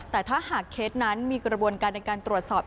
แต่ถ้าหากเคสนั้นมีกระบวนการในการตรวจสอบ